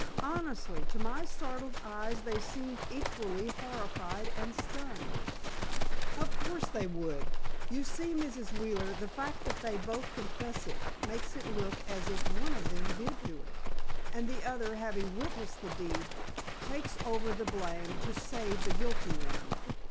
Honestly, to my startled eyes they seemed equally horrified and stunned." "Of course they would. You see, Mrs. Wheeler, the fact that they both confess it, makes it look as if one of them did do it, and the other having witnessed the deed, takes over the blame to save the guilty one.